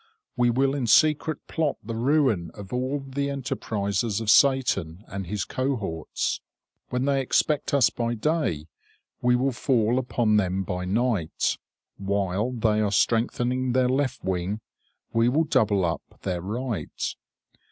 We will in secret plot the ruin of all the enterprises of Satan and his cohorts. When they expect us by day, we will fall upon them by night. While they are strengthening their left wing, we will double up their right.